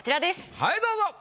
はいどうぞ。